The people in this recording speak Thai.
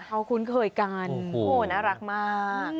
ขอบคุณเคยกันโอ้โฮน่ารักมาก